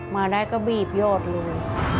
มาได้ก็บีบยอดลง